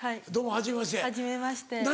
はじめまして。